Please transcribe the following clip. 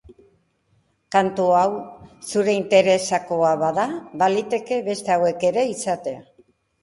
Kantu hau zure interesekoa bada, baliteke beste hauek ere izatea.